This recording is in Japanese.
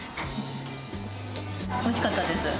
おいしかったです。